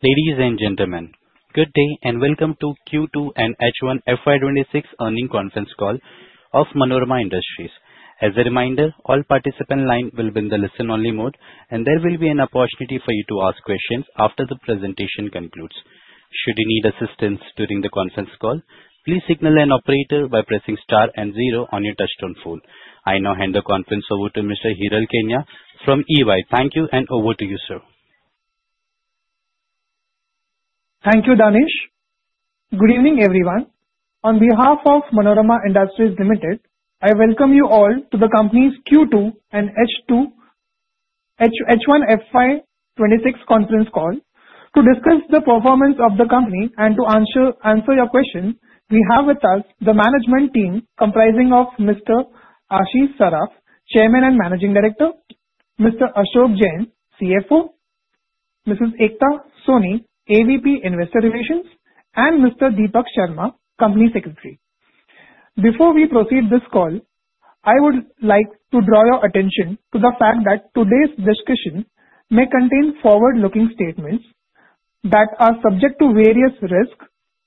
Ladies and gentlemen, good day and welcome to Q2 and H1 FY 2026 earnings conference call of Manorama Industries. As a reminder, all participant lines will be in the listen-only mode, and there will be an opportunity for you to ask questions after the presentation concludes. Should you need assistance during the conference call, please signal an operator by pressing star and zero on your touch-tone phone. I now hand the conference over to Mr. Hiral Keniya from EY. Thank you and over to you, sir. Thank you, Danish. Good evening, everyone. On behalf of Manorama Industries Limited, I welcome you all to the company's Q2 and H1 FY 2026 conference call to discuss the performance of the company and to answer your questions. We have with us the management team comprising of Mr. Ashish Saraf, Chairman and Managing Director, Mr. Ashok Jain, CFO, Mrs. Ekta Soni, AVP Investor Relations, and Mr. Deepak Sharma, Company Secretary. Before we proceed with this call, I would like to draw your attention to the fact that today's discussion may contain forward-looking statements that are subject to various risks,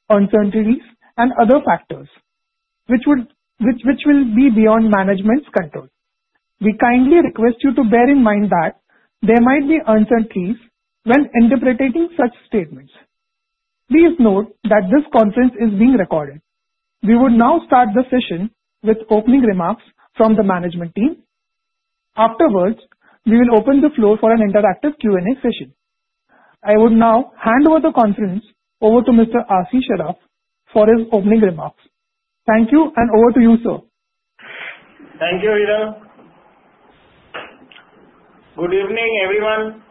uncertainties and other factors which will be beyond management's control. We kindly request you to bear in mind that there might be uncertainties when interpreting such statements. Please note that this conference is being recorded. We will now start the session with opening remarks from the management team. Afterwards, we will open the floor for an interactive Q&A session. I would now hand over the conference to Mr. Ashish Saraf for his opening remarks. Thank you, and over to you, sir. Thank you, Hiral. Good evening, everyone,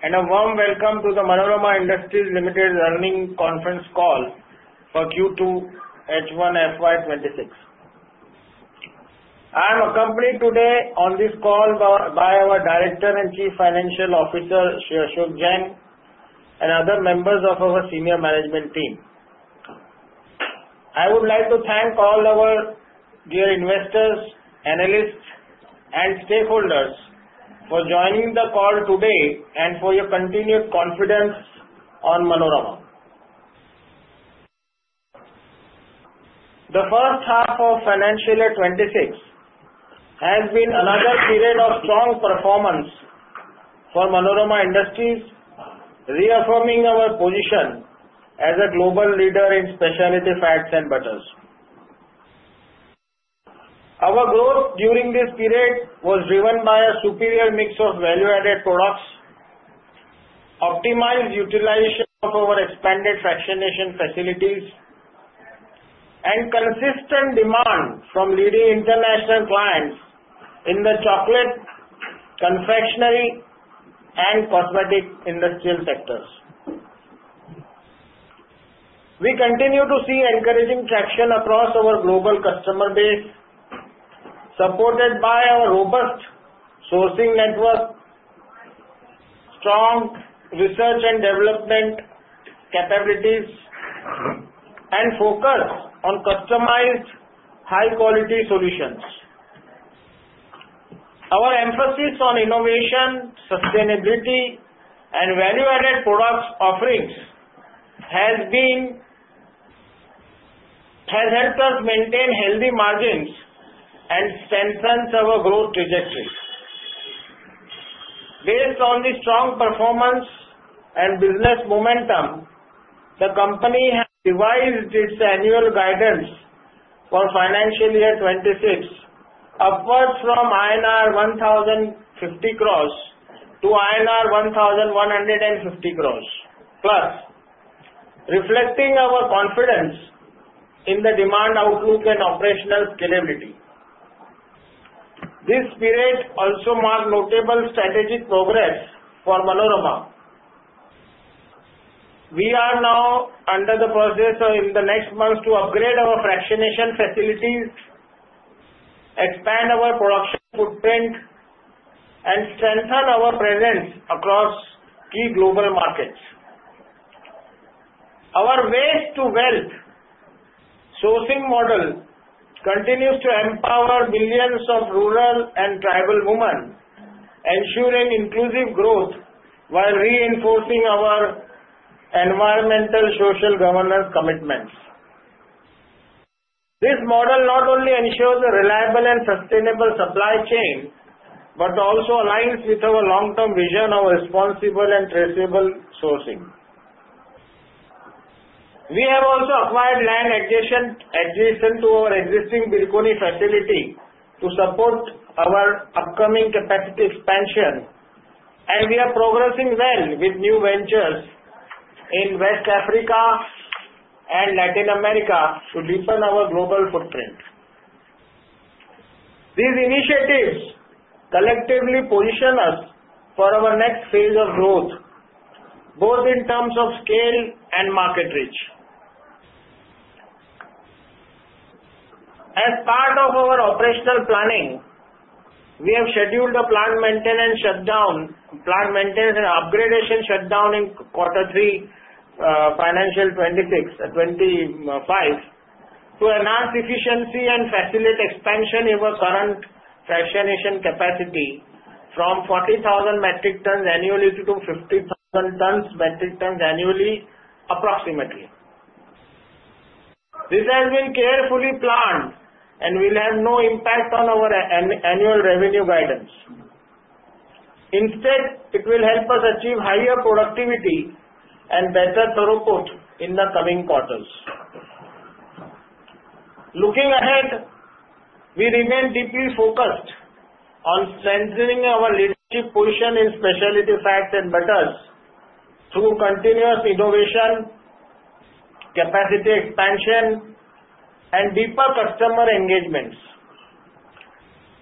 and a warm welcome to the Manorama Industries Limited earnings conference call for Q2 H1 FY 2026. I am accompanied today on this call by our Director and Chief Financial Officer, Shri Ashok Jain, and other members of our senior management team. I would like to thank all our dear investors, analysts, and stakeholders for joining the call today and for your continued confidence on Manorama. The first half of financial year 2026 has been another period of strong performance for Manorama Industries, reaffirming our position as a global leader in specialty fats and butters. Our growth during this period was driven by a superior mix of value-added products, optimized utilization of our expanded fractionation facilities, and consistent demand from leading international clients in the chocolate, confectionery, and cosmetic industrial sectors. We continue to see encouraging traction across our global customer base, supported by our robust sourcing network, strong research and development capabilities, and focus on customized high-quality solutions. Our emphasis on innovation, sustainability, and value-added products offerings has helped us maintain healthy margins and strengthen our growth trajectory. Based on the strong performance and business momentum, the company has revised its annual guidance for financial year 2026 upwards from INR 1,050 crores to INR 1,150 crores+, reflecting our confidence in the demand outlook and operational scalability. This period also marked notable strategic progress for Manorama. We are now under the process in the next months to upgrade our fractionation facilities, expand our production footprint, and strengthen our presence across key global markets. Our waste to wealth sourcing model continues to empower millions of rural and tribal women, ensuring inclusive growth while reinforcing our environmental social governance commitments. This model not only ensures a reliable and sustainable supply chain, but also aligns with our long-term vision of responsible and traceable sourcing. We have also acquired land adjacent to our existing Birkoni facility to support our upcoming capacity expansion, and we are progressing well with new ventures in West Africa and Latin America to deepen our global footprint. These initiatives collectively position us for our next phase of growth, both in terms of scale and market reach. As part of our operational planning, we have scheduled a plant maintenance and upgradation shutdown in quarter three, financial 2025 to enhance efficiency and facilitate expansion in our current fractionation capacity from 40,000 metric tons annually to 50,000 metric tons annually approximately. This has been carefully planned and will have no impact on our annual revenue guidance. Instead, it will help us achieve higher productivity and better throughput in the coming quarters. Looking ahead, we remain deeply focused on cementing our leadership position in specialty fats and butters through continuous innovation, capacity expansion, and deeper customer engagements.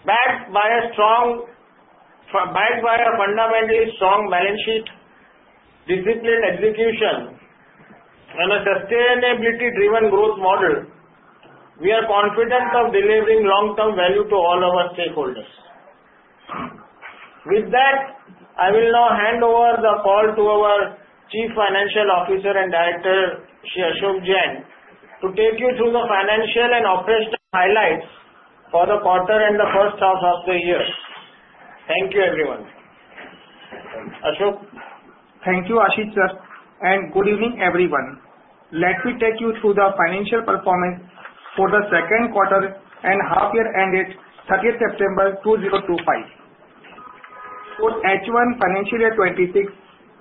Backed by a fundamentally strong balance sheet, disciplined execution, and a sustainability-driven growth model, we are confident of delivering long-term value to all our stakeholders. With that, I will now hand over the call to our Chief Financial Officer and Director, Shri Ashok Jain, to take you through the financial and operational highlights for the quarter and the first half of the year. Thank you everyone. Ashok? Thank you, Ashish, sir, and good evening, everyone. Let me take you through the financial performance for the second quarter and half year ended 30 September 2025. For H1 FY 2026,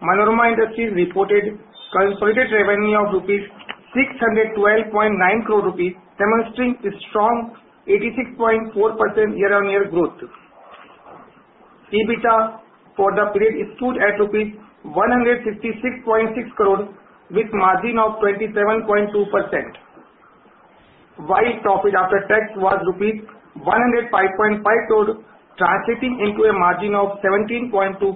Manorama Industries reported consolidated revenue of 612.9 crore rupees, demonstrating a strong 86.4% year-on-year growth. EBITDA for the period stood at rupees 156.6 crore with margin of 27.2%, while profit after tax was INR 105.5 crore, translating into a margin of 17.2%.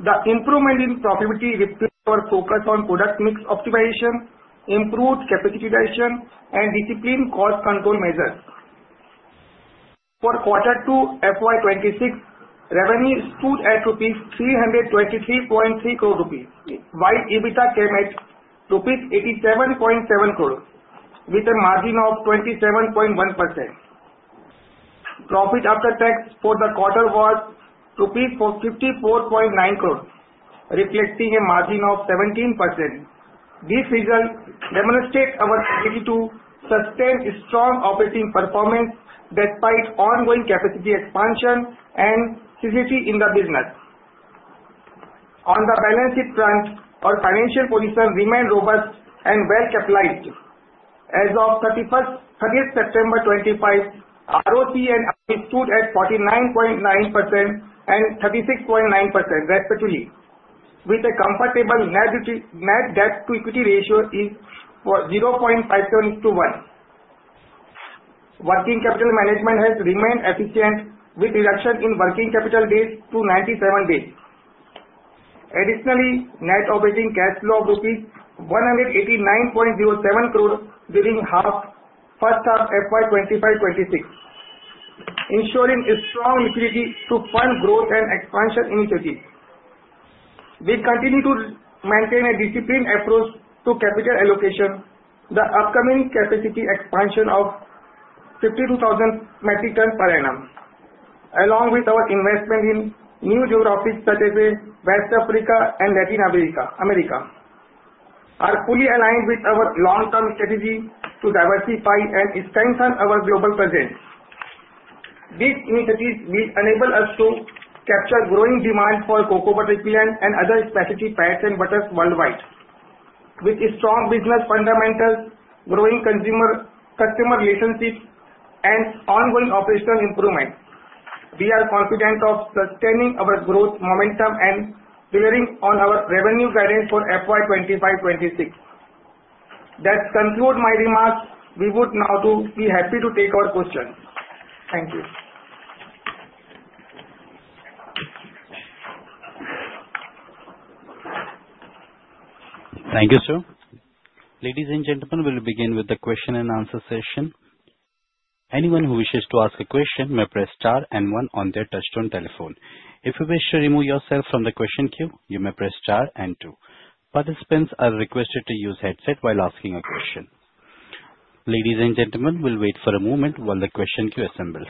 The improvement in profitability reflects our focus on product mix optimization, improved capitalization, and disciplined cost control measures. For Q2 FY 2026, revenue stood at INR 323.3 crore, while EBITDA came at INR 87.7 crore with a margin of 27.1%. Profit after tax for the quarter was 454.9 crores rupees, reflecting a margin of 17%. These results demonstrate our ability to sustain strong operating performance despite ongoing capacity expansion and seasonality in the business. On the balance sheet front, our financial position remained robust and well capitalized. As of 30 September 2025, ROCE and ROE stood at 49.9% and 36.9% respectively, with a comfortable net debt to equity ratio of 0.57 to 1. Working capital management has remained efficient with reduction in working capital days to 97 days. Additionally, net operating cash flow of 189.07 crores during first half FY 2025-2026, ensuring a strong liquidity to fund growth and expansion initiatives. We continue to maintain a disciplined approach to capital allocation. The upcoming capacity expansion of 52,000 metric tons per annum, along with our investment in new geographies such as West Africa and Latin America, are fully aligned with our long-term strategy to diversify and strengthen our global presence. These initiatives will enable us to capture growing demand for cocoa butter equivalent and other specialty fats and butters worldwide. With strong business fundamentals, growing customer relationships, and ongoing operational improvements, we are confident of sustaining our growth momentum and delivering on our revenue guidance for FY 2025, 2026. That concludes my remarks. We would now be happy to take our questions. Thank you. Thank you, sir. Ladies and gentlemen, we'll begin with the question and answer session. Anyone who wishes to ask a question may press star and one on their touchtone telephone. If you wish to remove yourself from the question queue, you may press star and two. Participants are requested to use headset while asking a question. Ladies and gentlemen, we'll wait for a moment while the question queue assembles.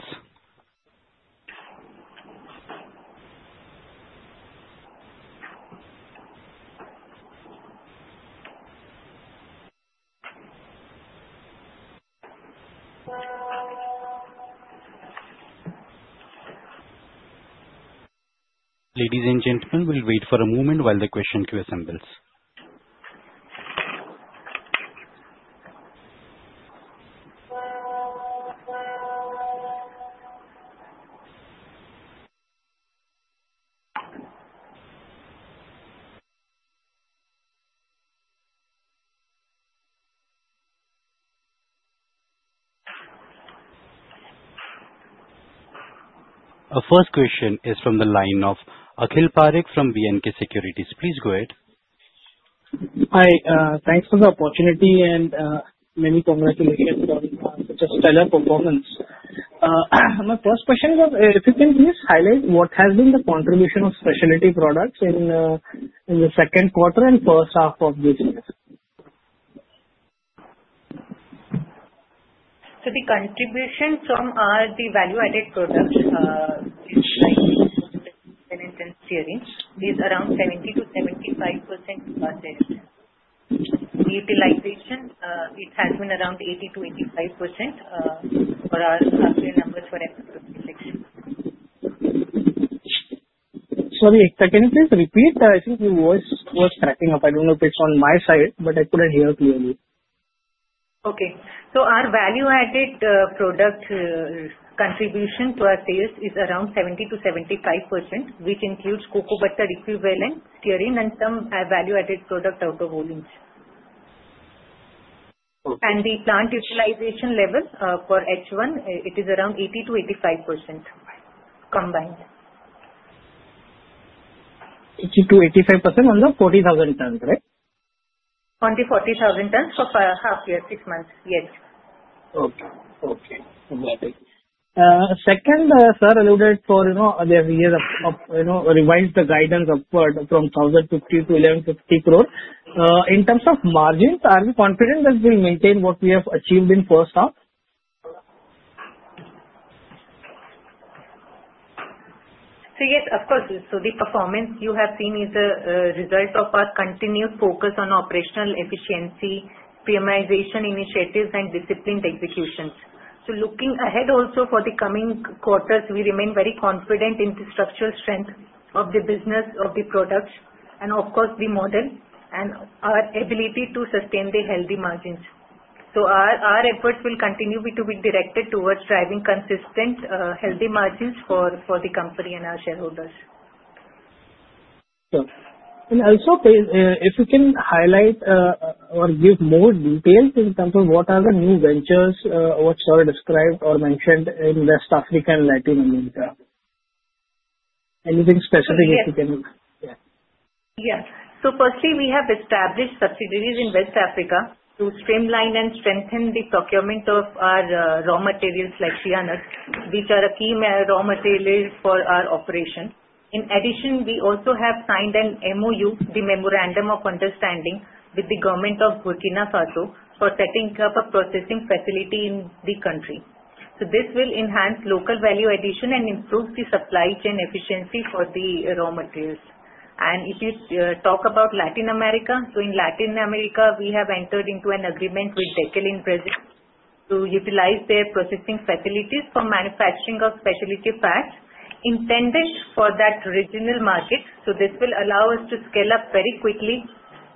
Our first question is from the line of Akhil Parekh from B&K Securities. Please go ahead. Hi, thanks for the opportunity and many congratulations on such a stellar performance. My first question was, if you can please highlight what has been the contribution of specialty products in the second quarter and first half of this year. The contribution from our value-added products is around 70-75% of sales. The utilization has been around 80-85% for our numbers for H1 FY 2026. Sorry, can you please repeat? I think your voice was cracking up. I don't know if it's on my side, but I couldn't hear clearly. Our value-added product contribution to our sales is around 70%-75%, which includes cocoa butter equivalent, stearin, and some value-added product out of volumes. Okay. The plant utilization level for H1 is around 80%-85% combined. 80%-85% on the 40,000 tons, right? On the 40,000 tons for half year, six months. Yes. Okay. Okay. Yeah. Second, sir, you alluded to, you know, for the year, you know, revised the guidance upward from 1,050 crore to 1,150 crore. In terms of margins, are we confident that we'll maintain what we have achieved in first half? Yes, of course. The performance you have seen is a result of our continued focus on operational efficiency, premiumization initiatives and disciplined executions. Looking ahead also for the coming quarters, we remain very confident in the structural strength of the business, of the products, and of course the model and our ability to sustain the healthy margins. Our efforts will continue to be directed towards driving consistent healthy margins for the company and our shareholders. Sure. Also, if you can highlight, or give more details in terms of what are the new ventures, what's described or mentioned in West Africa and Latin America. Anything specific you can- Yes. Yeah. Yeah. Firstly we have established subsidiaries in West Africa to streamline and strengthen the procurement of our raw materials like sheanut, which are a key raw material for our operation. In addition, we also have signed an MoU, the Memorandum of Understanding, with the Government of Burkina Faso for setting up a processing facility in the country. This will enhance local value addition and improve the supply chain efficiency for the raw materials. If you talk about Latin America, in Latin America, we have entered into an agreement with Deovale Brazil to utilize their processing facilities for manufacturing of specialty fats intended for that regional market. This will allow us to scale up very quickly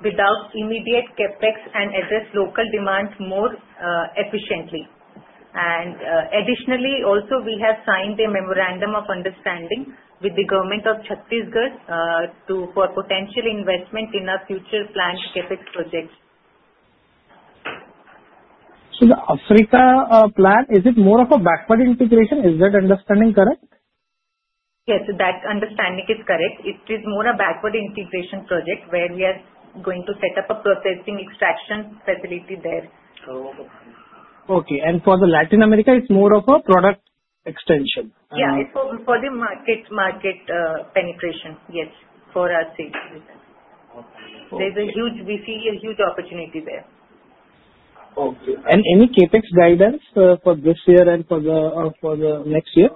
without immediate CapEx and address local demand more efficiently. Additionally, also we have signed a memorandum of understanding with the Government of Chhattisgarh for potential investment in our future planned CapEx projects. The Africa plant, is it more of a backward integration? Is that understanding correct? Yes, that understanding is correct. It is more a backward integration project where we are going to set up a processing extraction facility there. Oh, okay. For the Latin America, it's more of a product extension. Yeah, it's for the market penetration. Yes. For our sales. Okay. We see a huge opportunity there. Okay. Any CapEx guidance for this year and for the next year?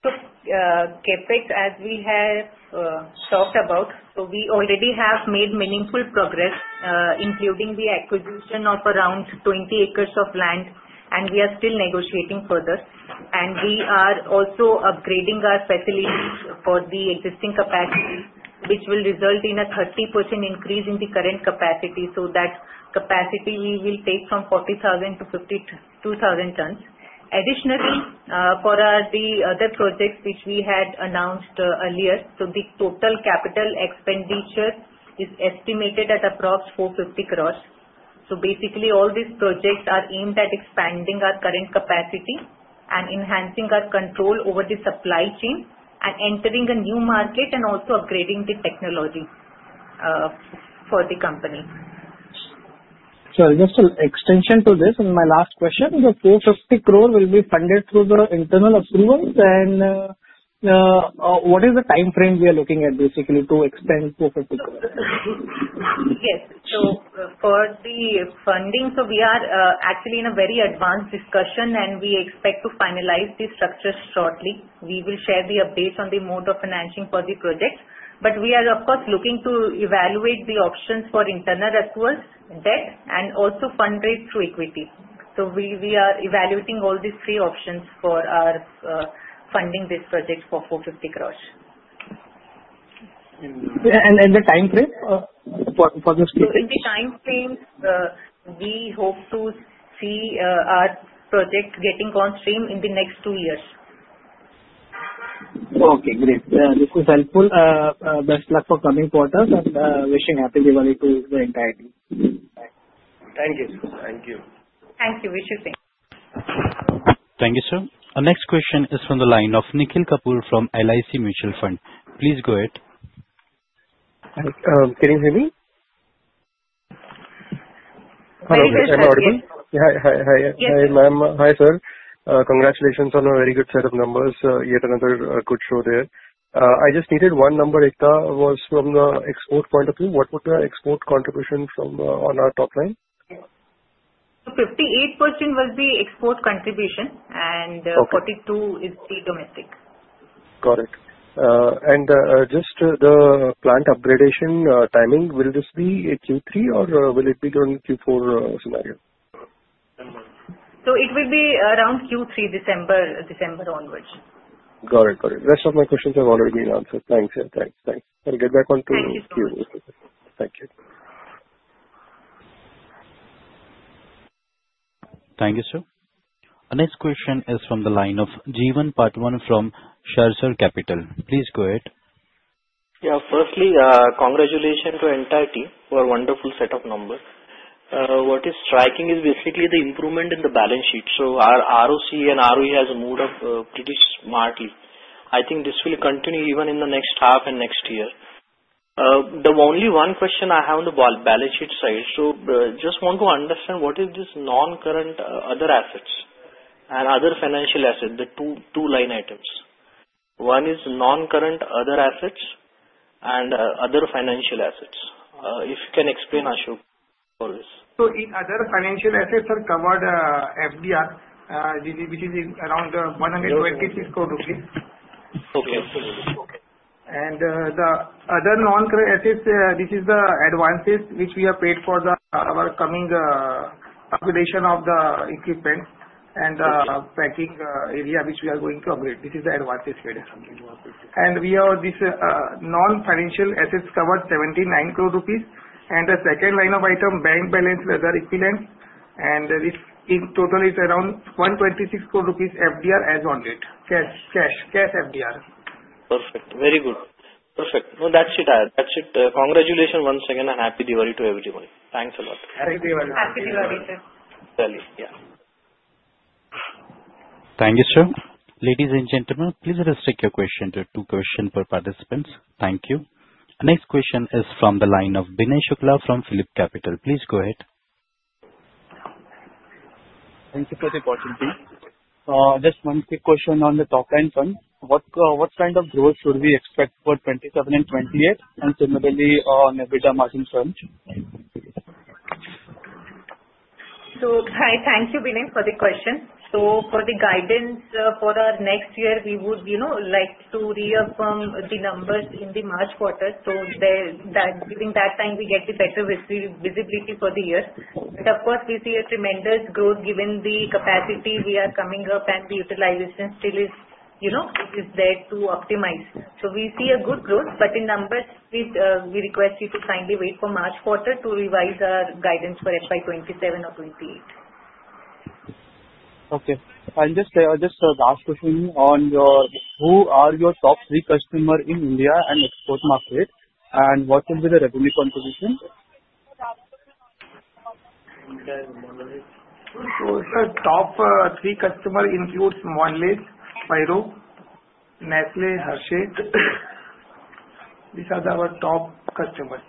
CapEx, as we have talked about, we already have made meaningful progress, including the acquisition of around 20 acres of land, and we are still negotiating further. We are also upgrading our facilities for the existing capacity, which will result in a 30% increase in the current capacity. That capacity will take from 40,000-52,000 tons. Additionally, for the other projects which we had announced earlier. The total capital expenditure is estimated at approximately 450 crores. Basically all these projects are aimed at expanding our current capacity and enhancing our control over the supply chain and entering a new market and also upgrading the technology for the company. Just an extension to this and my last question, the 450 crore will be funded through the internal accruals, and what is the timeframe we are looking at basically to expend 450 crore? Yes. For the funding, we are actually in a very advanced discussion, and we expect to finalize the structure shortly. We will share the updates on the mode of financing for the projects, but we are of course looking to evaluate the options for internal accruals, debt and also fundraise through equity. We are evaluating all these three options for our funding this project for 450 crore. The timeframe for this project? In the timeframes, we hope to see our project getting on stream in the next two years. Okay, great. This was helpful. Best luck for coming quarters and wishing happy Diwali to the entire team. Bye. Thank you. Wish you same. Thank you, sir. Our next question is from the line of Nikhil Rungta from LIC Mutual Fund. Please go ahead. Hi. Can you hear me? Yes. Hello. Am I audible? Hi. Hi. Hi. Yes. Hi, ma'am. Hi, sir. Congratulations on a very good set of numbers. Yet another good show there. I just needed one number, Ekta, was from the export point of view. What would be our export contribution from on our top line? 58% was the export contribution. Okay. 42 is the domestic. Got it. Just the plant upgradation timing. Will this be a Q3 or will it be during Q4 scenario? It will be around Q3, December onwards. Got it. Rest of my questions have already been answered. Thanks. Yeah, thanks. Thanks. I'll get back to you. Thank you so much. Thank you. Thank you, sir. Our next question is from the line of Jeevan Patwa from Sahasrar Capital. Please go ahead. Firstly, congratulations to entire team for a wonderful set of numbers. What is striking is basically the improvement in the balance sheet. Our ROCE and ROE has moved up pretty smartly. I think this will continue even in the next half and next year. The only one question I have on the balance sheet side. Just want to understand what is this non-current other assets and other financial assets, the two line items. One is non-current other assets and other financial assets. If you can explain, Ashok, for this. In other financial assets are covered, FDR, which is around 126 crore. Okay. The other non-current assets, this is the advances which we have paid for our upcoming upgradation of the equipment and Okay. Packing area which we are going to upgrade. This is the advances paid. We have this non-financial assets covered 79 crore rupees. The second line of item, bank balance that are equivalent, and it's in total around 126 crore rupees FDR as on date. Cash FDR. Perfect. Very good. Perfect. No, that's it. That's it. Congratulations once again, and happy Diwali to everybody. Thanks a lot. Happy Diwali. Happy Diwali, sir. Thank you. Yeah. Thank you, sir. Ladies and gentlemen, please restrict your questions to two questions per participant. Thank you. Next question is from the line of Binay Shukla from PhillipCapital. Please go ahead. Thanks for the opportunity. Just one quick question on the top line front. What kind of growth should we expect for 2027 and 2028, and similarly on EBITDA margin front? Hi. Thank you, Binay, for the question. For the guidance for our next year, we would, you know, like to reaffirm the numbers in the March quarter, so that during that time we get the better visibility for the year. Of course we see a tremendous growth given the capacity we are coming up and the utilization still is, you know, it is there to optimize. We see a good growth, but in numbers, please, we request you to kindly wait for March quarter to revise our guidance for FY 2027 or 2028. Just a last question on your top three customer in India and export market? What will be the revenue contribution? Sir, top three customers include Mondelez, Ferrero, Nestlé, Hershey. These are our top customers.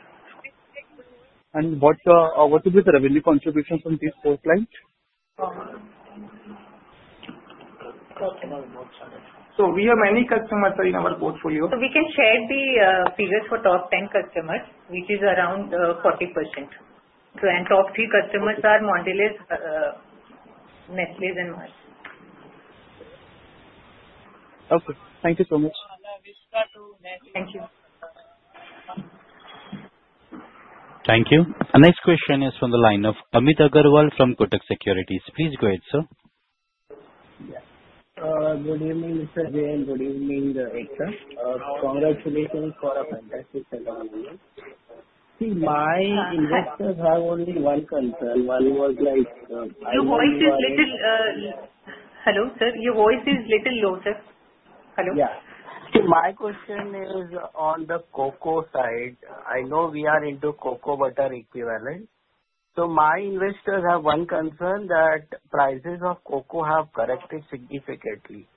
What will be the revenue contribution from these four clients? We have many customers in our portfolio. We can share the figures for top 10 customers, which is around 40%. Top three customers are Mondelez, Nestlé and Hershey. Okay. Thank you so much. Thank you. Thank you. Our next question is from the line of Amit Agarwal from Kotak Securities. Please go ahead, sir. Yeah. Good evening, Sir Jay, and good evening, Ekta. Congratulations for a fantastic set of numbers. See, my investors have only one concern. Your voice is little, Hello, sir. Your voice is little low, sir. Hello? See, my question is on the cocoa side. I know we are into cocoa butter equivalent. My investors have one concern, that prices of cocoa have corrected significantly.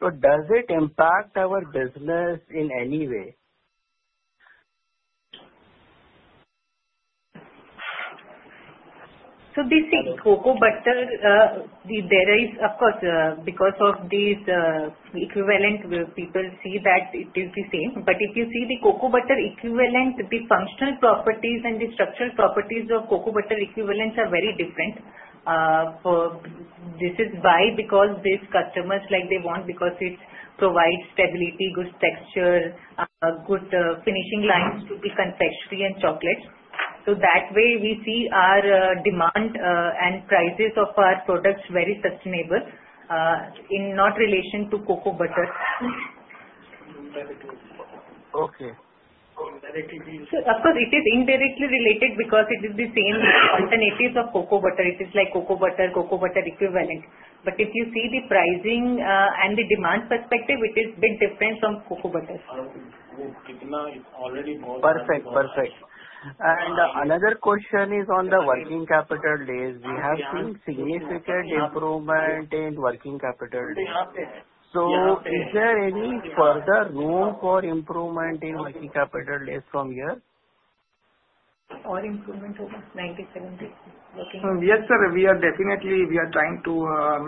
Does it impact our business in any way? They think cocoa butter, there is of course, because of these, equivalent where people see that it is the same. If you see the cocoa butter equivalent, the functional properties and the structural properties of cocoa butter equivalents are very different. This is why because these customers like they want, because it provides stability, good texture, good finishing lines to the confectionery and chocolate. That way we see our demand and prices of our products very sustainable, in no relation to cocoa butters. Okay. Of course it is indirectly related because it is the same alternatives of cocoa butter. It is like cocoa butter, cocoa butter equivalent. But if you see the pricing, and the demand perspective, it is bit different from cocoa butters. Perfect. Perfect. Another question is on the working capital days. We have seen significant improvement in working capital days. Is there any further room for improvement in working capital days from here? All improvement over 97 days working. Yes, sir. We are definitely trying to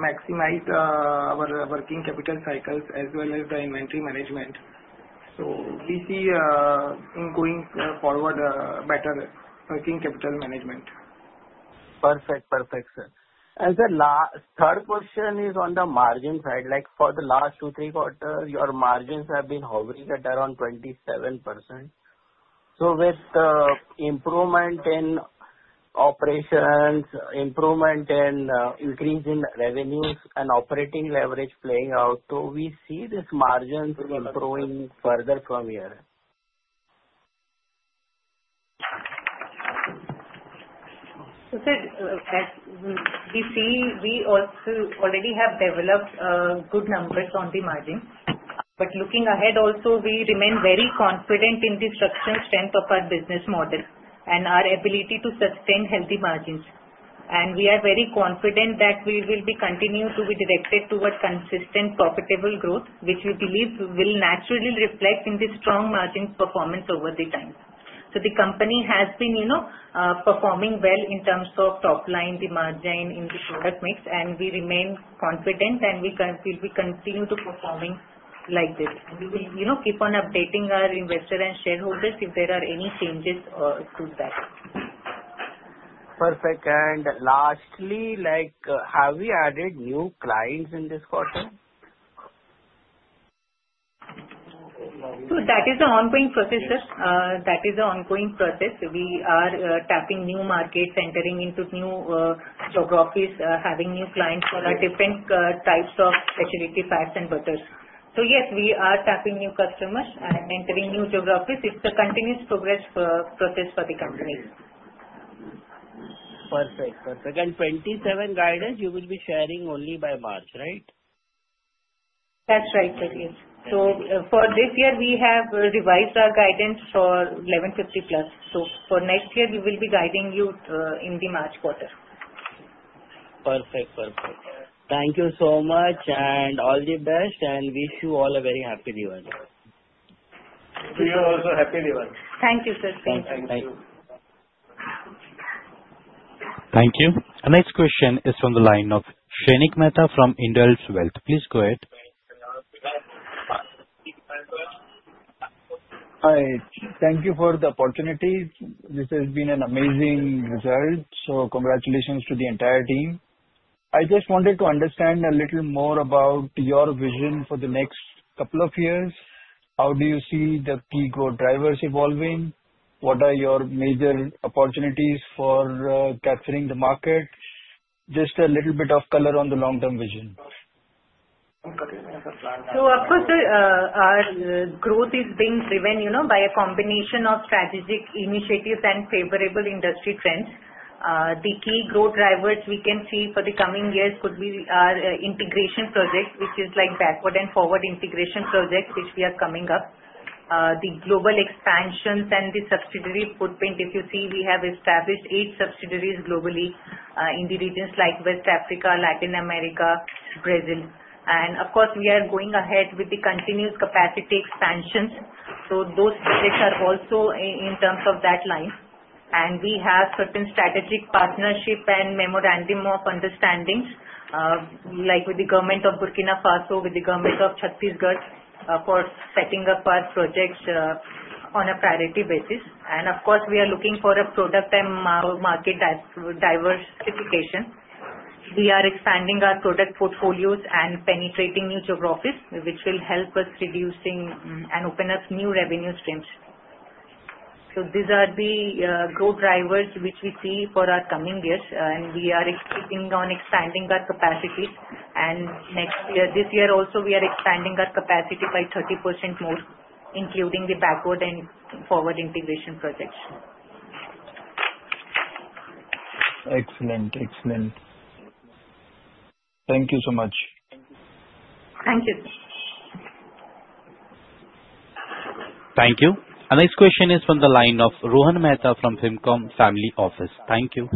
maximize our working capital cycles as well as the inventory management. We see, going forward, better working capital management. Perfect. Perfect, sir. The third question is on the margin side. Like for the last 2-3 quarters, your margins have been hovering at around 27%. With improvement in operations, improvement in increase in revenues and operating leverage playing out, we see this margins improving further from here. Sir, as we see, we also already have developed good numbers on the margin. Looking ahead also we remain very confident in the structural strength of our business model and our ability to sustain healthy margins. We are very confident that we will be continue to be directed towards consistent profitable growth, which we believe will naturally reflect in the strong margins performance over the time. The company has been, you know, performing well in terms of top line, the margin in the product mix, and we remain confident, and we will continue to performing like this. We will, you know, keep on updating our investor and shareholders if there are any changes to that. Perfect. Lastly, like, have we added new clients in this quarter? That is an ongoing process, sir. We are tapping new markets, entering into new geographies, having new clients for our different types of specialty fats and butters. Yes, we are tapping new customers and entering new geographies. It's a continuous process for the company. Perfect. Perfect. 2027 guidance you will be sharing only by March, right? That's right, sir. Yes. Thank you. For this year we have revised our guidance for 1,150+. For next year we will be guiding you in the March quarter. Perfect. Perfect. Thank you so much and all the best, and wish you all a very happy Diwali. To you also, Happy Diwali. Thank you, sir. Thank you. Bye. Thank you. Thank you. Our next question is from the line of Shrenik Mehta from Indelz Wealth. Please go ahead. Hi. Thank you for the opportunity. This has been an amazing result, so congratulations to the entire team. I just wanted to understand a little more about your vision for the next couple of years. How do you see the key growth drivers evolving? What are your major opportunities for capturing the market? Just a little bit of color on the long-term vision. Of course, sir, our growth is being driven, you know, by a combination of strategic initiatives and favorable industry trends. The key growth drivers we can see for the coming years could be our integration projects, which is like backward and forward integration projects, which we are coming up. The global expansions and the subsidiary footprint. If you see, we have established 8 subsidiaries globally, in the regions like West Africa, Latin America, Brazil. Of course we are going ahead with the continuous capacity expansions. Those projects are also in terms of that line. We have certain strategic partnerships and memorandums of understanding, like with the government of Burkina Faso, with the government of Chhattisgarh, for setting up our projects, on a priority basis. Of course we are looking for a product and market diversification. We are expanding our product portfolios and penetrating new geographies, which will help us reduce and open up new revenue streams. These are the growth drivers which we see for our coming years. We are expecting to expand our capacity. Next year, this year also we are expanding our capacity by 30% more, including the backward and forward integration projects. Excellent. Thank you so much. Thank you. Thank you. Our next question is from the line of Rohan Mehta from Fimcom Family Office. Thank you.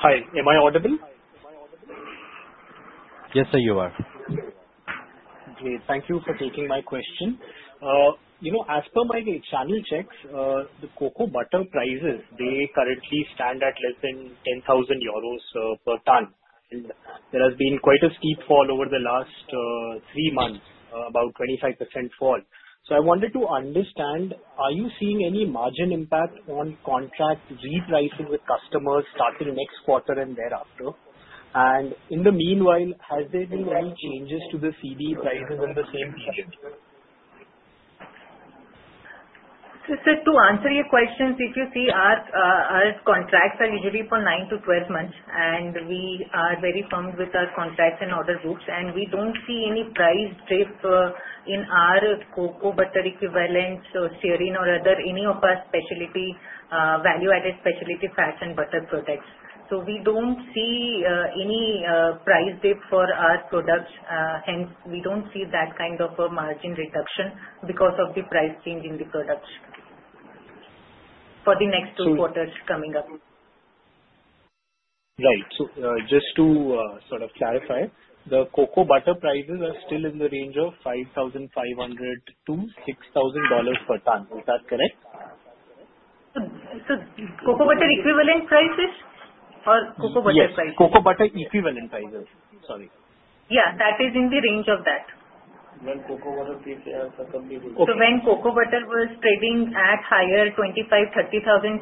Hi. Am I audible? Yes, sir, you are. Great. Thank you for taking my question. You know, as per my channel checks, the cocoa butter prices, they currently stand at less than 10,000 euros per ton. There has been quite a steep fall over the last 3 months, about 25% fall. I wanted to understand, are you seeing any margin impact on contract repricing with customers starting next quarter and thereafter? In the meanwhile, has there been any changes to the CBE prices in the same region? Sir, to answer your questions, if you see our our contracts are usually for 9-12 months, and we are very firm with our contracts and order books, and we don't see any price dip in our cocoa butter equivalent, so stearin or any other of our specialty value-added specialty fats and butter products. We don't see any price dip for our products. Hence we don't see that kind of a margin reduction because of the price change in the products for the next 2 quarters coming up. Right. Just to sort of clarify, the cocoa butter prices are still in the range of $5,500-$6,000 per ton. Is that correct? Sir, cocoa butter equivalent prices or cocoa butter prices? Yes, cocoa butter equivalent prices. Sorry. Yeah, that is in the range of that. When cocoa butter When cocoa butter was trading at higher, $25,000-$30,000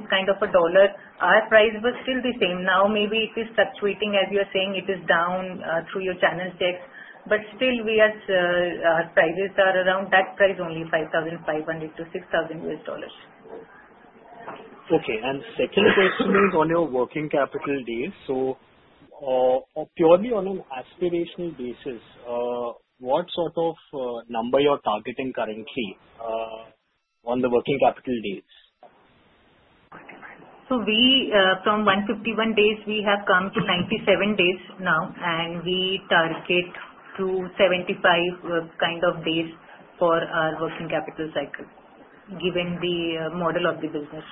kind of a dollar, our price was still the same. Now maybe it is fluctuating, as you're saying, it is down, through your channel check. Still we are, our prices are around that price only, $5,500-$6,000. Second question is on your working capital days. Purely on an aspirational basis, what sort of number you're targeting currently on the working capital days? We, from 151 days, we have come to 97 days now, and we target to 75 kind of days for our working capital cycle, given the model of the business.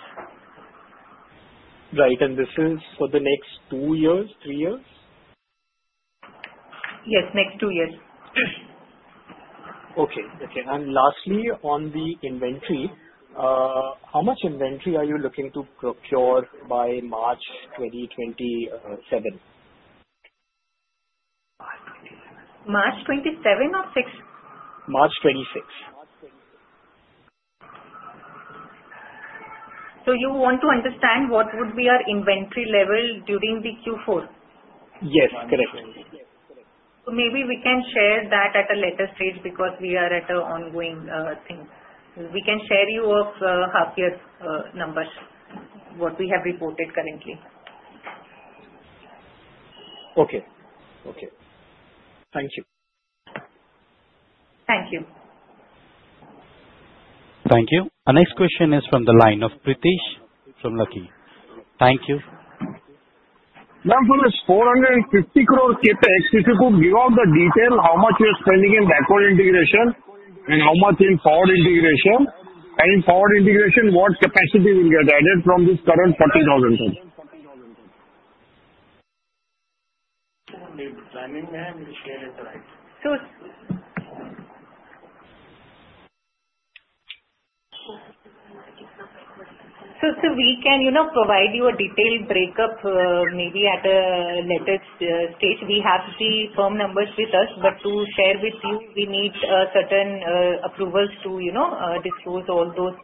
Right. This is for the next 2 years, 3 years? Yes, next 2 years. Lastly, on the inventory, how much inventory are you looking to procure by March 2027? March 27 or 6? March 26. You want to understand what would be our inventory level during the Q4? Yes. Correct. Maybe we can share that at a later stage because we are at an ongoing thing. We can share with you our half-year's numbers, what we have reported currently. Okay. Thank you. Thank you. Thank you. Our next question is from the line of Pritesh from Lucky. Thank you. Ma'am, from this 450 crore CapEx, if you could give out the detail, how much you're spending in backward integration and how much in forward integration? In forward integration, what capacity will get added from this current 40,000 ton? We're planning, ma'am. We'll share it right. We can, you know, provide you a detailed breakup, maybe at a later stage. We have the firm numbers with us. To share with you, we need certain approvals to, you know, disclose all those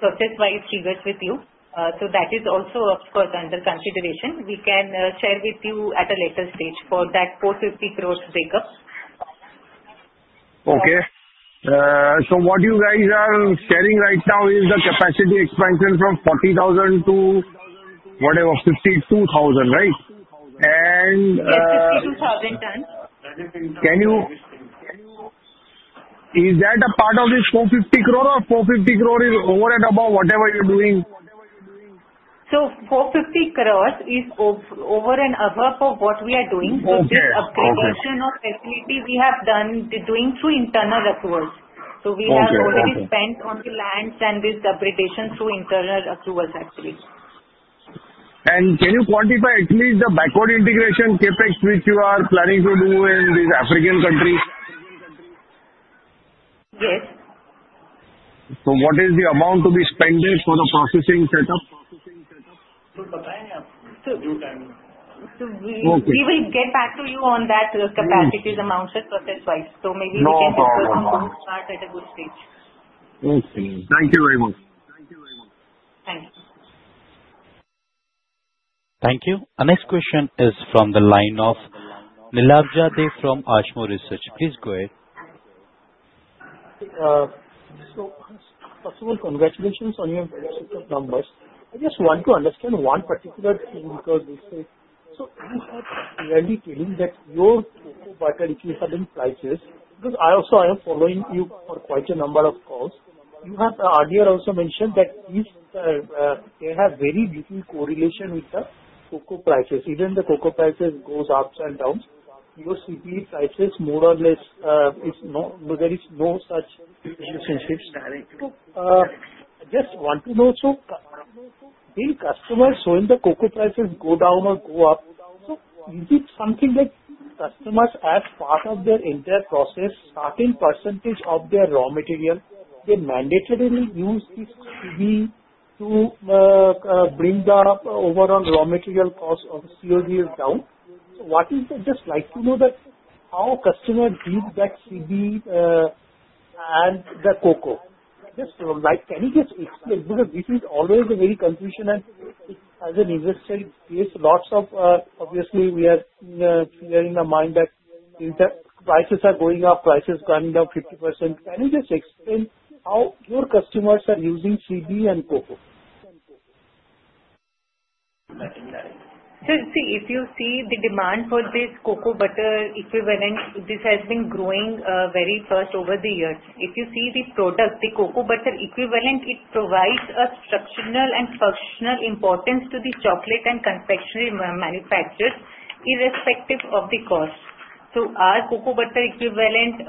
process-wise figures with you. That is also of course under consideration. We can share with you at a later stage for that 450 crore breakup. Okay. What you guys are sharing right now is the capacity expansion from 40,000 to whatever, 52,000, right? Yes, 52,000 ton. Is that a part of this 450 crore, or 450 crore is over and above whatever you're doing? 450 crores is over and above what we are doing. Okay. This upgradation of facility we have done through internal approvals. Okay. We have already spent on the lands and this upgradation through internal approvals actually. Can you quantify at least the backward integration CapEx which you are planning to do in these African countries? Yes. What is the amount to be spent there for the processing setup? Sir, Okay. We will get back to you on that, capacities amounts and process-wise. Maybe we can No problem. Send some more chart at a good stage. Okay. Thank you very much. Thank you. Thank you. Our next question is from the line of Nilaj Datta from Ashmore Group. Please go ahead. First of all, congratulations on your very superb numbers. I just want to understand one particular thing, because you are clearly telling that your cocoa butter equivalent prices, because I am following you for quite a number of calls. You have earlier also mentioned that they have very little correlation with the cocoa prices. Even the cocoa prices go up and down. Your CB prices more or less, there is no such relationship. Direct. I just want to know, the customers, when the cocoa prices go down or go up, is it something that customers, as part of their entire process, certain percentage of their raw material, they mandatorily use this CB to bring the overall raw material cost of the company down. Just like to know that how customer treats that CB and the cocoa. Just like, can you just explain? Because this is always a very confusion, and as an investor it creates lots of, obviously we are clear in our mind that prices are going up, prices coming down 50%. Can you just explain how your customers are using CB and cocoa? Nothing direct. See, if you see the demand for this cocoa butter equivalent, this has been growing very fast over the years. If you see the product, the cocoa butter equivalent, it provides a structural and functional importance to the chocolate and confectionery manufacturers irrespective of the cost. Our cocoa butter equivalent,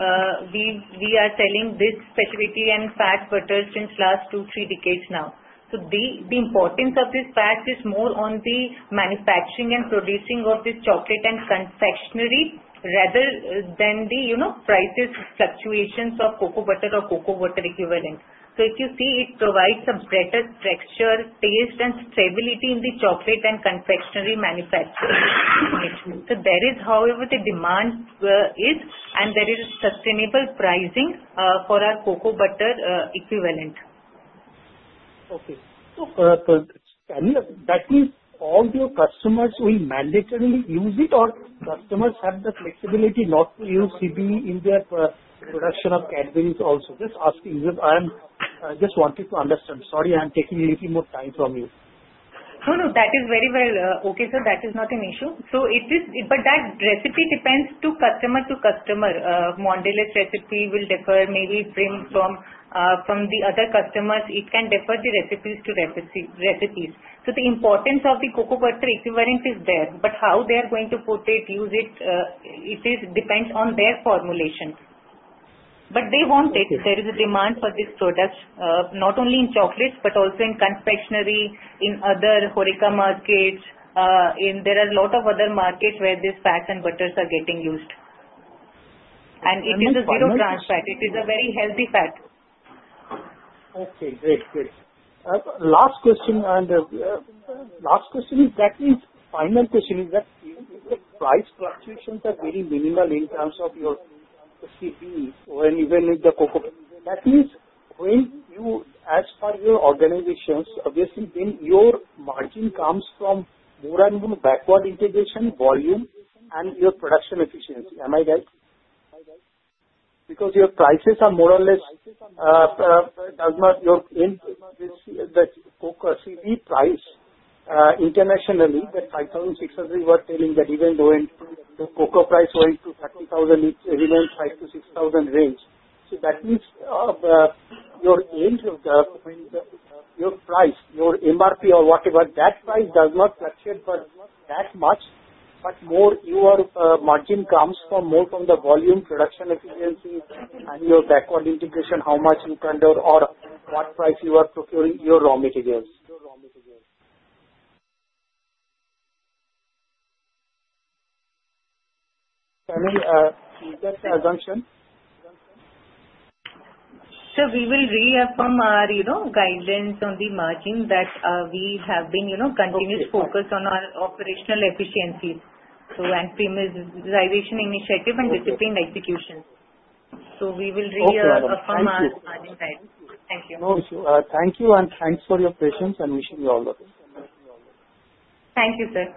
we are selling this specialty fat butters since last two, three decades now. The importance of this fat is more on the manufacturing and producing of this chocolate and confectionery rather than the, you know, price fluctuations of cocoa butter or cocoa butter equivalent. If you see, it provides some better texture, taste, and stability in the chocolate and confectionery manufacturing. There is, however, demand, and there is sustainable pricing for our cocoa butter equivalent. That means all your customers will mandatorily use it or customers have the flexibility not to use CBE in their production of Cadbury's also? Just asking. I just wanted to understand. Sorry, I'm taking a little more time from you. No, no, that is very well. Okay, sir, that is not an issue. That recipe differs from customer to customer. Mondelez recipe will differ, maybe Primus from the other customers. It can differ recipe to recipe. The importance of the cocoa butter equivalent is there, but how they are going to put it, use it depends on their formulation. They want it. Okay. There is a demand for this product, not only in chocolates but also in confectionery, in other HORECA markets. There are a lot of other markets where these fats and butters are getting used. It is a zero trans fat. It is a very healthy fat. Okay, great. Last question is that if the price fluctuations are very minimal in terms of your CBE or even if the cocoa, that means when you as per your organizations, obviously then your margin comes from more and more backward integration, volume, and your production efficiency. Am I right? Because your prices are more or less not in line with the cocoa CBE price internationally, the $5,600 you are telling, that even though when the cocoa price going to $30,000, it remains $5,000-$6,000 range. That means, the, your aim to the, I mean the, your price, your MRP or whatever, that price does not fluctuate but that much, but more your, margin comes from more from the volume production efficiency and your backward integration, how much you can do or what price you are procuring your raw materials. Tanu, is that the assumption? We will reaffirm our, you know, guidance on the margin that we have been, you know. Okay. Continuously focused on our operational efficiencies. Premiumization and diversification initiative and disciplined execution. Okay. We will reaffirm our margin guide. Okay. Thank you. Thank you. No issue. Thank you and thanks for your patience, and wish you all the best. Thank you, sir.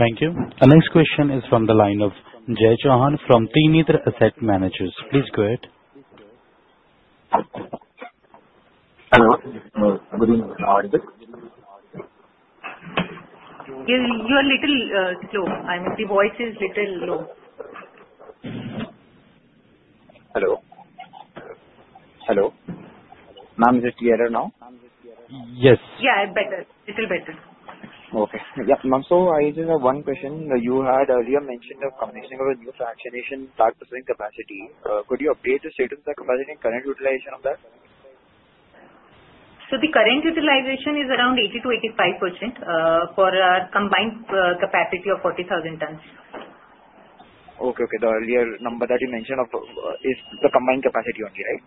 Thank you. Our next question is from the line of Jay Chauhan from Trident Asset Management. Please go ahead. Hello. Good evening. You're little low. Your voice is little low. Hello. Hello. Ma'am, is it clearer now? Yes. Yeah, better. Little better. Okay. Yeah. Ma'am, I just have one question. You had earlier mentioned a combination of a new fractionation plant expansion capacity. Could you update the status of that capacity and current utilization of that? The current utilization is around 80%-85% for our combined capacity of 40,000 tons. Okay. The earlier number that you mentioned of is the combined capacity only, right?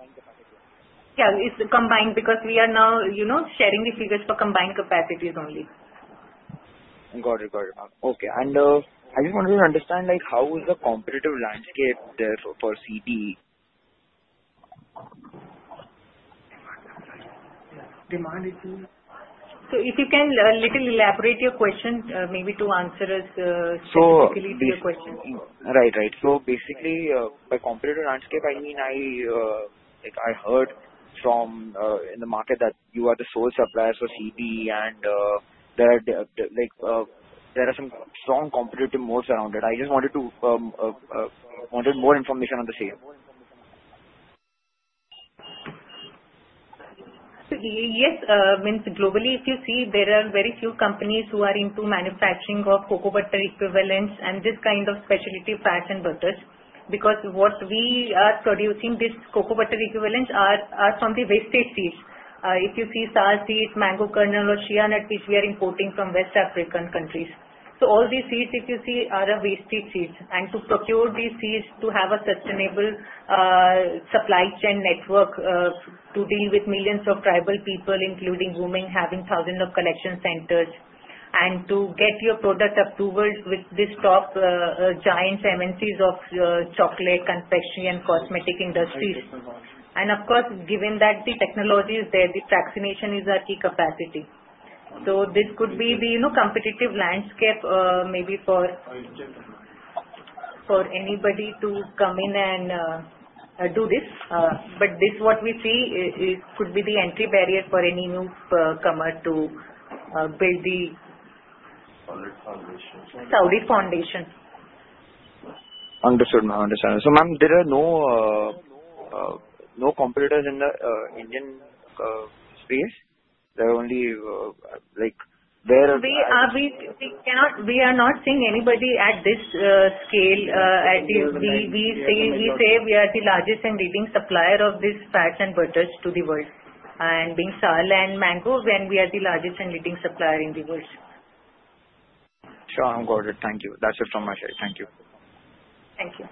Yeah, it's the combined because we are now, you know, sharing the figures for combined capacities only. Got it. Okay. I just wanted to understand, like, how is the competitive landscape there for CBE? If you can little elaborate your question, maybe to answer us specifically to your question. Right. Basically, by competitive landscape, I mean, like, I heard in the market that you are the sole suppliers for CBE and there are some strong competitive moats around it. I just wanted more information on the same. Yes, means globally, if you see there are very few companies who are into manufacturing of cocoa butter equivalents and this kind of specialty fats and butters because what we are producing this cocoa butter equivalents are from the waste seeds. If you see sal seeds, mango kernel or shea nut seeds we are importing from West African countries. All these seeds, if you see, are waste seeds. To procure these seeds to have a sustainable supply chain network to deal with millions of tribal people, including women having thousands of collection centers and to get your product approval with this top giant MNCs of chocolate, confectionery and cosmetic industries. Of course, given that the technology is there, the fractionation is a key capacity. This could be the you know competitive landscape maybe for anybody to come in and do this. This what we see it could be the entry barrier for any new comer to build the- Solid foundation. Solid foundation. Understood, ma'am. Ma'am, there are no competitors in the Indian space? There are only, like there are- We are not seeing anybody at this scale, as we say, we are the largest and leading supplier of this fats and butters to the world. Being sal and mangoes and we are the largest and leading supplier in the world. Sure, I've got it. Thank you. That's it from my side. Thank you. Thank you.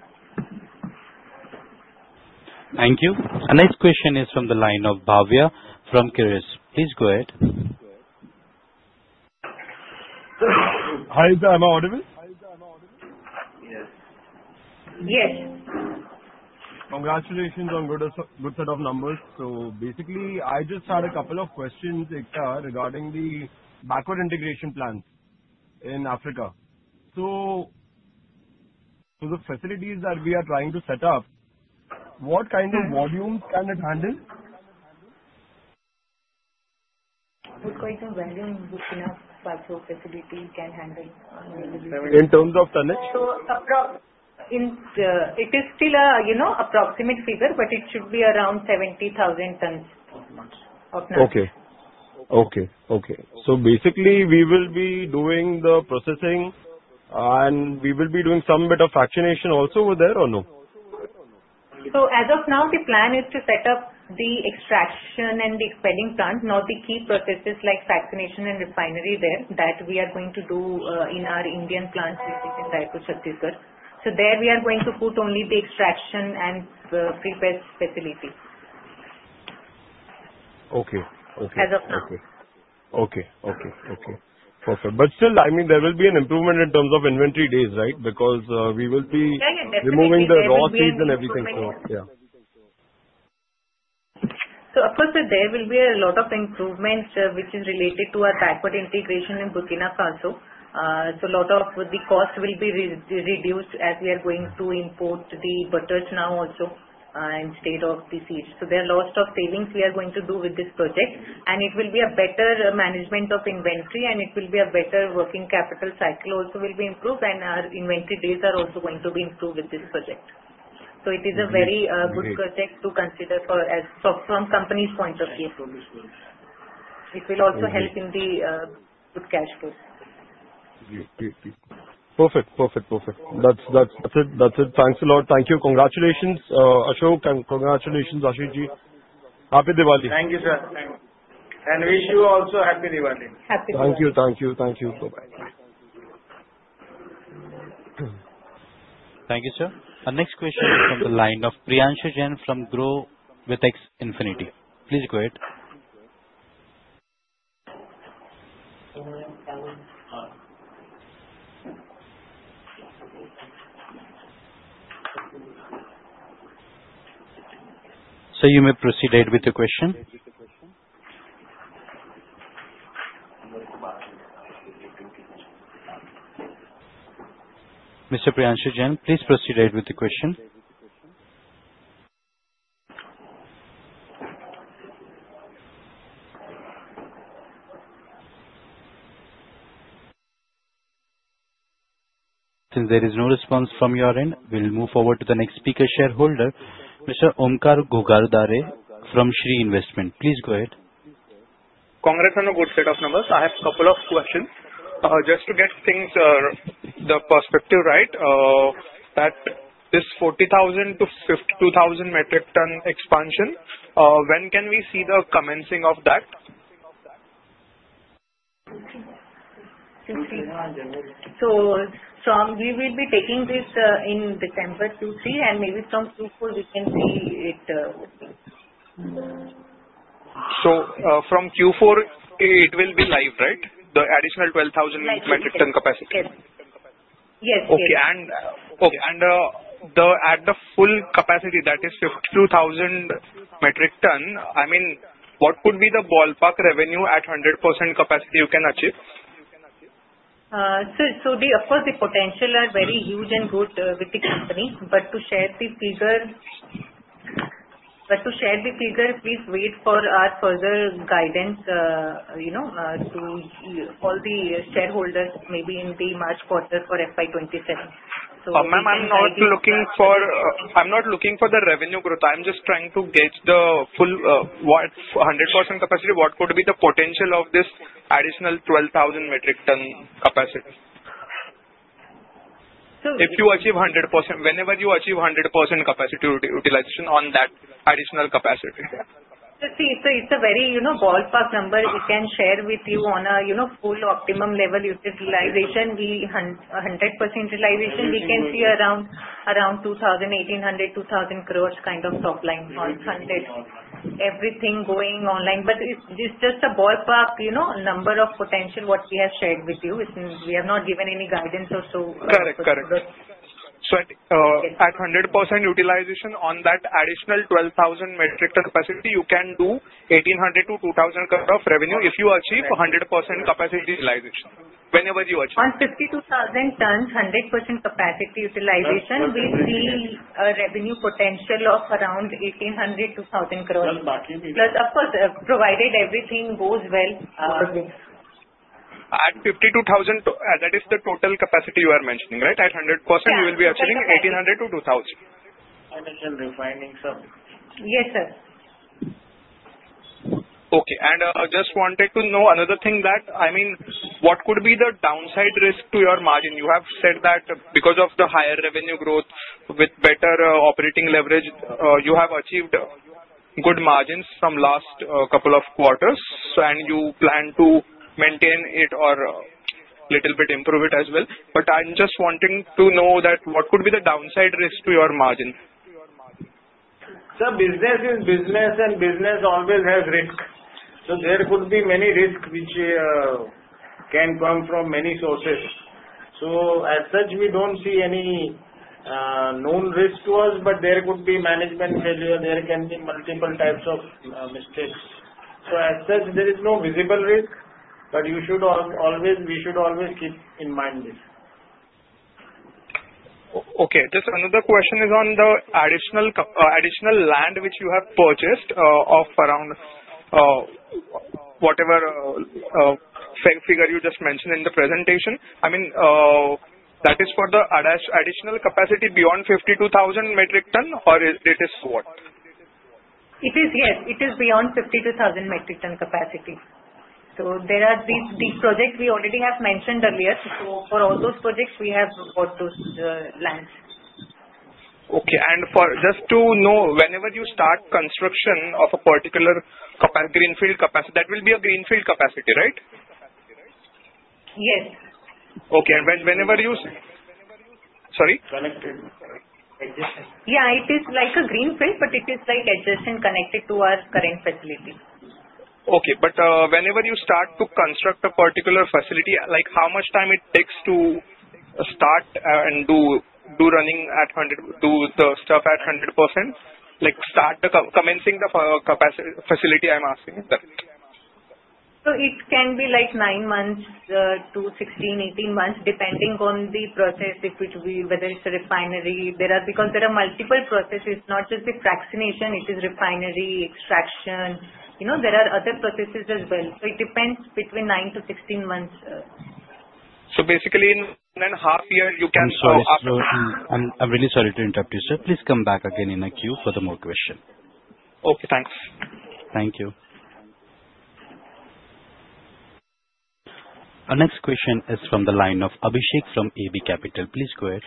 Thank you. Our next question is from the line of Bhavya. Hi. Am I audible? Yes. Congratulations on good set of numbers. Basically, I just had a couple of questions, Ekta, regarding the backward integration plans in Africa. The facilities that we are trying to set up, what kind of volumes can it handle? What kind of volume Birkoni facility can handle? In terms of tonnage. It is still a, you know, approximate figure, but it should be around 70,000 tons. Okay. Basically we will be doing the processing and we will be doing some bit of fractionation also over there or no? As of now, the plan is to set up the extraction and the expeller plant, not the key processes like fractionation and refining there. That we are going to do in our Indian plants which is in Raipur, Chhattisgarh. There we are going to put only the extraction and the prepress facility. Okay. As of now. Okay. Perfect. Still, I mean, there will be an improvement in terms of inventory days, right? Because we will be- Yeah, yeah. Definitely. Removing the raw seeds and everything. Yeah. Of course there will be a lot of improvements, which is related to our backward integration in Burkina Faso. Lot of the cost will be reduced as we are going to import the butters now also, instead of the seeds. There are lots of savings we are going to do with this project, and it will be a better management of inventory, and it will be a better working capital cycle also will be improved and our inventory days are also going to be improved with this project. It is a very good project to consider for as from from company's point of view. It will also help in the good cash flows. Perfect. That's it. Thanks a lot. Thank you. Congratulations, Ashok Jain, and congratulations, Ashish Saraf. Happy Diwali. Thank you, sir. Wish you also Happy Diwali. Happy Diwali. Thank you. Bye-bye. Bye. Thank you, sir. Our next question is from the line of Priyanshu Jain from Groww with Xfinity. Please go ahead. Sir, you may proceed with the question. Mr. Priyanshu Jain, please proceed with the question. Since there is no response from your end, we'll move forward to the next speaker shareholder, Mr. Omkar Gogaldare from Shree Investment. Please go ahead. Congrats on a good set of numbers. I have couple of questions. Just to get the perspective right, that this 40,000-52,000 metric ton expansion, when can we see the commencing of that? We will be taking this in December 2023, and maybe from 2024 we can see it. From Q4 it will be live, right? The additional 12,000- Live. Yes. Metric ton capacity. Yes. At the full capacity, that is 52,000 metric ton, I mean, what could be the ballpark revenue at 100% capacity you can achieve? Of course, the potential are very huge and good with the company. To share the figure, please wait for our further guidance, you know, to all the shareholders, maybe in the March quarter for FY 2027. Ma'am, I'm not looking for the revenue growth. I'm just trying to gauge the full, what 100% capacity, what could be the potential of this additional 12,000 metric ton capacity? So- If you achieve 100%, whenever you achieve 100% capacity utilization on that additional capacity. See, it's a very, you know, ballpark number we can share with you on a, you know, full optimum level utilization. The 100% utilization we can see around 1,800-2,000 crores kind of top line on 100. Everything going online. It's this just a ballpark, you know, number of potential what we have shared with you. It's we have not given any guidance or so. Correct. At 100% utilization on that additional 12,000 metric ton capacity, you can do 1,800-2,000 crore of revenue if you achieve 100% capacity utilization. Whenever you achieve. On 52,000 tons, 100% capacity utilization. That's. We see a revenue potential of around 1,800-2,000 crores. Ma'am Plus of course, provided everything goes well. Okay, at 52,000, that is the total capacity you are mentioning, right? At 100%. Yeah. You will be achieving 1800-2000. I mentioned refining, sir. Yes, sir. Okay. I just wanted to know another thing that, I mean, what could be the downside risk to your margin? You have said that because of the higher revenue growth with better, operating leverage, you have achieved good margins from last couple of quarters, so and you plan to maintain it or little bit improve it as well. I'm just wanting to know that what could be the downside risk to your margin? Sir, business is business, and business always has risks. There could be many risks which can come from many sources. As such, we don't see any known risk to us, but there could be management failure. There can be multiple types of mistakes. As such, there is no visible risk. You should always, we should always keep in mind this. Okay. Just another question is on the additional land which you have purchased, of around whatever figure you just mentioned in the presentation. I mean, that is for the additional capacity beyond 52,000 metric ton, or it is what? It is, yes. It is beyond 52,000 metric ton capacity. There are these projects we already have mentioned earlier. For all those projects we have bought those lands. Okay. For just to know, whenever you start construction of a particular greenfield capacity, that will be a greenfield capacity, right? Yes. Okay. Sorry. Connected. Adjacent. Yeah, it is like a greenfield, but it is like adjacent, connected to our current facility. Whenever you start to construct a particular facility, like, how much time it takes to start and do running at 100, do the stuff at 100%? Like, commencing the capacity facility, I'm asking, sir. It can be, like, 9 months to 16-18 months, depending on the process whether it's a refinery. There are multiple processes, not just the fractionation, it's refining, extraction. You know, there are other processes as well. It depends between 9 to 16 months, sir. Basically in one and a half year you can. I'm sorry to interrupt. I'm really sorry to interrupt you, sir. Please come back again in the queue for the more question. Okay, thanks. Thank you. Our next question is from the line of Abhishek from AB Capital. Please go ahead.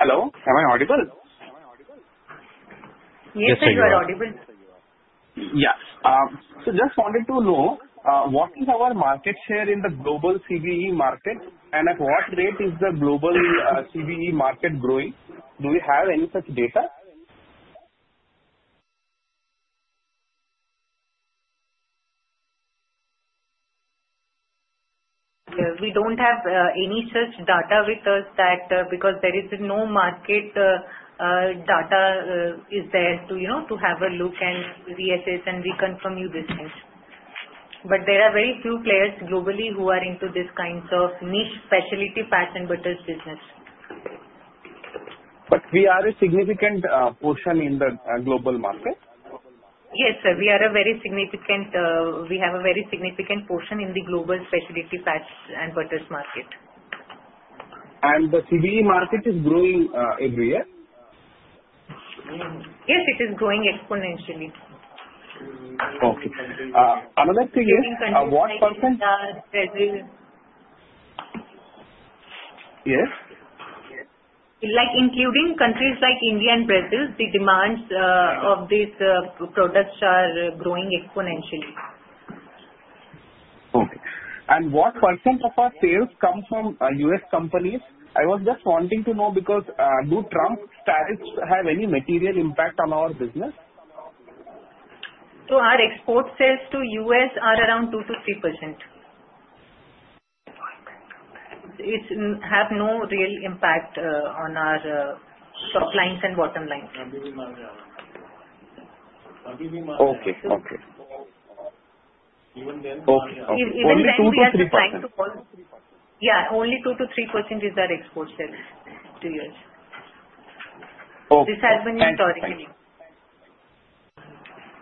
Hello, am I audible? Yes, sir, you are audible. Just wanted to know what is our market share in the global CBE market, and at what rate is the global CBE market growing? Do we have any such data? Yeah, we don't have any such data with us that, because there is no market data is there to, you know, to have a look and reassess and reconfirm you this thing. There are very few players globally who are into this kinds of niche specialty fats and butters business. We are a significant portion in the global market. Yes, sir, we have a very significant portion in the global specialty fats and butters market. The CBE market is growing every year? Yes, it is growing exponentially. Okay. Another thing is, what percent- Including countries like India and Brazil. Yes. Like, including countries like India and Brazil, the demands, Yeah. Of these products are growing exponentially. Okay. What percent of our sales come from U.S. companies? I was just wanting to know because do Trump's tariffs have any material impact on our business? Our export sales to U.S. are around 2%-3%. It have no real impact on our top line and bottom line. Abhi bhi mahanga hai. Okay. Even then. Okay. Only 2%-3%. Even then we are trying to call. Yeah, only 2%-3% is our export sales to U.S. Okay. This has been your target. Thanks.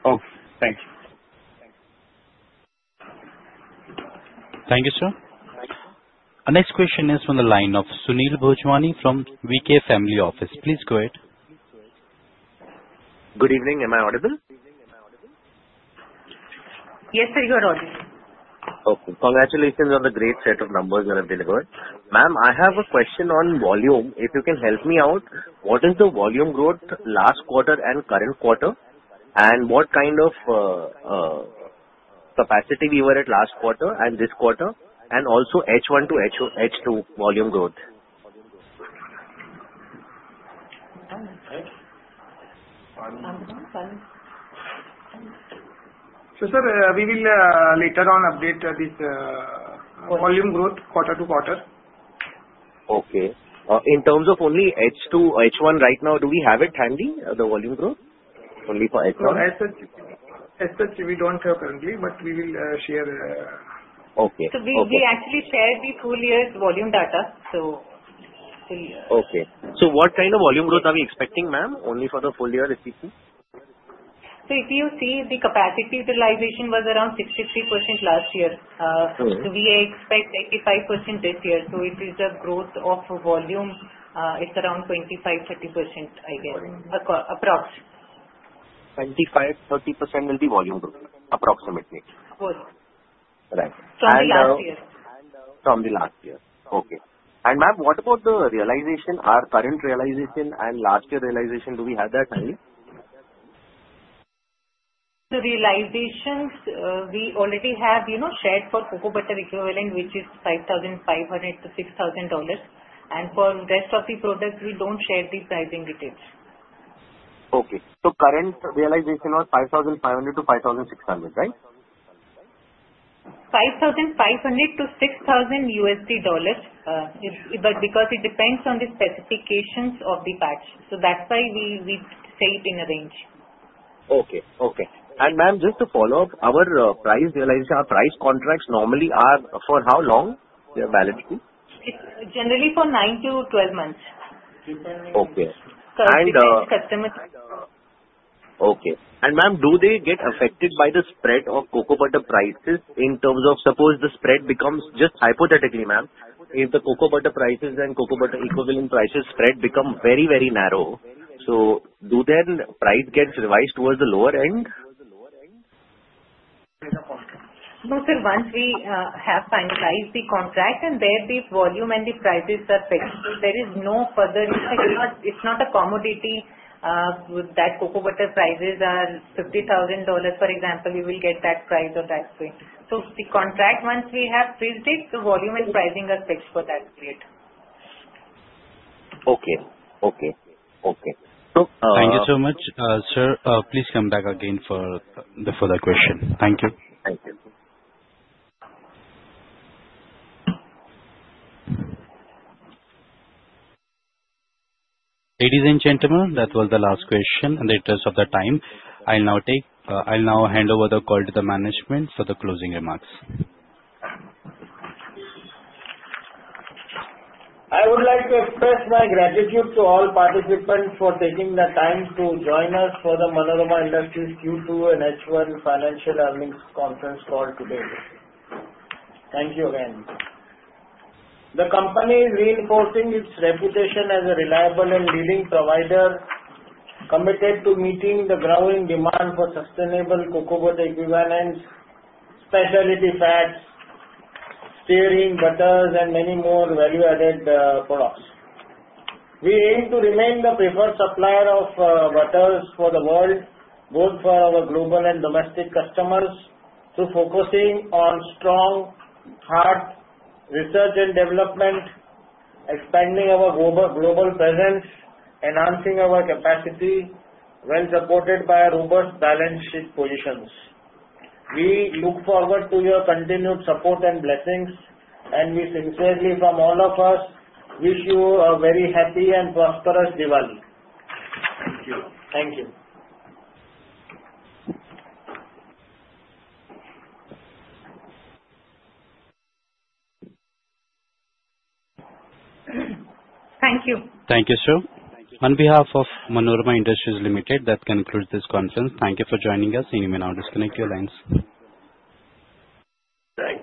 Okay, thanks. Thank you, sir. Our next question is from the line of Sunil Bhojwani from VK Family Office. Please go ahead. Good evening. Am I audible? Yes, sir, you are audible. Okay. Congratulations on the great set of numbers that have been delivered. Ma'am, I have a question on volume, if you can help me out. What is the volume growth last quarter and current quarter? What kind of capacity we were at last quarter and this quarter? Also H1 to H2 volume growth. Right. Sir, we will later on update this volume growth quarter-to-quarter. In terms of only H2, H1 right now, do we have it handy, the volume growth? Only for H1. No, as such, we don't have currently, but we will share. Okay. We actually shared the full year's volume data. Full year. Okay. What kind of volume growth are we expecting, ma'am, only for the full year, if we see? If you see the capacity utilization was around 63% last year. Mm-hmm. We expect 85% this year. It is a growth of volume. It's around 25-30%, I guess. Okay. Appro-approx. 25%-30% will be volume growth approximately? Yes. Right. From the last year. From the last year. Okay. Ma'am, what about the realization, our current realization and last year realization, do we have that detail? The realizations, we already have shared for cocoa butter equivalent, which is $5,500-$6,000. For rest of the products, we don't share the pricing details. Okay. Current realization was 5,500-5,600, right? $5,500-$6,000, because it depends on the specifications of the batch, so that's why we say it in a range. Okay. Ma'am, just to follow up, our price realization, our price contracts normally are for how long they are valid for? It's generally for 9-12 months. Okay. It depends on customer. Okay. Ma'am, do they get affected by the spread of cocoa butter prices in terms of suppose the spread becomes, just hypothetically, ma'am, if the cocoa butter prices and cocoa butter equivalent prices spread become very, very narrow, so do their price gets revised towards the lower end? No, sir. Once we have finalized the contract and the volume and the prices are fixed, so there is no further. It’s not a commodity with that cocoa butter prices are $50,000, for example, we will get that price or that way. The contract, once we have fixed it, the volume and pricing are fixed for that period. Okay. Thank you so much. Sir, please come back again for the further question. Thank you. Thank you. Ladies and gentlemen, that was the last question. In the interest of the time, I'll now hand over the call to the management for the closing remarks. I would like to express my gratitude to all participants for taking the time to join us for the Manorama Industries Q2 and H1 financial earnings conference call today. Thank you again. The company is reinforcing its reputation as a reliable and leading provider, committed to meeting the growing demand for sustainable cocoa butter equivalents, specialty fats, stearin butters, and many more value-added products. We aim to remain the preferred supplier of butters for the world, both for our global and domestic customers, through focusing on strong R&D, expanding our global presence, enhancing our capacity, well supported by our robust balance sheet positions. We look forward to your continued support and blessings, and we sincerely from all of us wish you a very happy and prosperous Diwali. Thank you. Thank you. Thank you. Thank you, sir. On behalf of Manorama Industries Limited, that concludes this conference. Thank you for joining us. You may now disconnect your lines. Thank you.